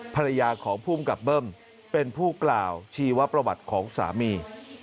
ภรรยาของภูมิกับเบิ้มเป็นผู้กล่าวชีวประวัติของสามี